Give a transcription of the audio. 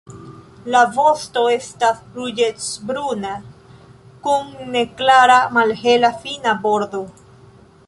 La vosto estas ruĝecbruna kun neklara malhela fina bordo.